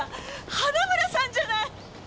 花村さんじゃない！